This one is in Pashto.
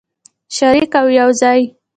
شریک او یوځای.